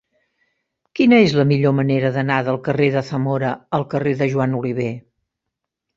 Quina és la millor manera d'anar del carrer de Zamora al carrer de Joan Oliver?